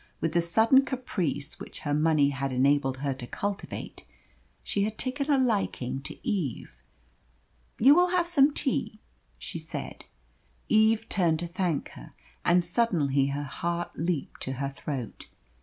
With the sudden caprice which her money had enabled her to cultivate, she had taken a liking to Eve. "You will have some tea?" she said. Eve turned to thank her, and suddenly her heart leaped to her throat.